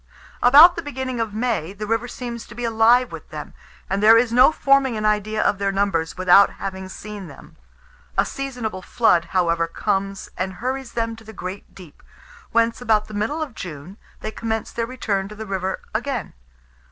About the beginning of May, the river seems to be alive with them, and there is no forming an idea of their numbers without having seen them. A seasonable flood, however, comes, and hurries them to the "great deep;" whence, about the middle of June, they commence their return to the river again.